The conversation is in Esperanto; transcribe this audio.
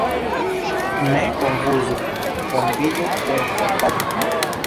Ne konfuzu fondiĝo kun fondaĵo.